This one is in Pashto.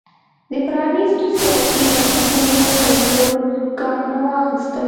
د پرانېستو سیاسي بنسټونو پر لور ګامونه واخیستل.